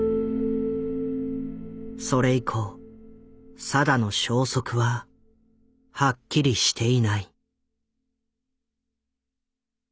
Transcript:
それ以降定の消息ははっきりしていない。